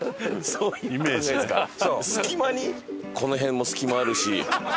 この辺も隙間あるし